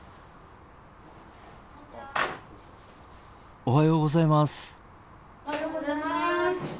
おはようございます。